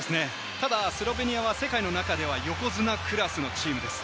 ただスロベニアは世界の中では横綱クラスのチームです。